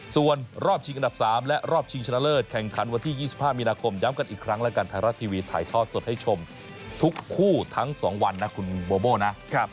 ส่วนรอบชิงอันดับ๓และรอบชิงชนะเลิศแข่งขันวันที่๒๕มีนาคมย้ำกันอีกครั้งแล้วกันไทยรัฐทีวีถ่ายทอดสดให้ชมทุกคู่ทั้ง๒วันนะคุณโบโม่นะ